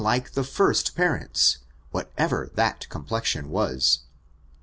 17 like the first parents, whatever that complexion was.